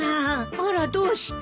あらどうして？